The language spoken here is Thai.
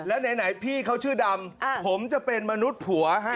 แล้วไหนพี่เขาชื่อดำผมจะเป็นมนุษย์ผัวให้